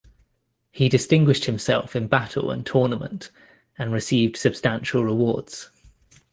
He distinguished himself in battle and tournament, and received substantial rewards.